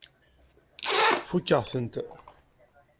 Fukeɣ-tent.